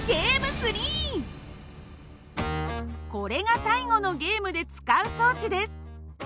これが最後のゲームで使う装置です。